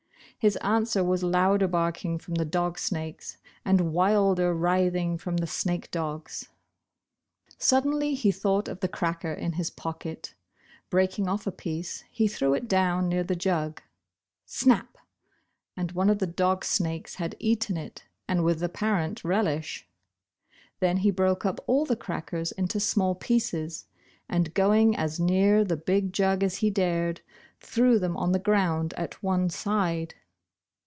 His answer was louder barking from the dog snakes, and wilder writhing from the snake dogs. Suddenly he thought of the cracker in his pocket. Breaking off a piece, he threw it down near the jug. " Snap," and one of the dog snakes had eaten it, and with apparent relish. Then he broke up all the crackers into small pieces, and going as near the big jug as he dared, threw them on the ground at one side.